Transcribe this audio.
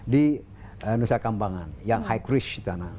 di nusa kampangan yang high cruise di sana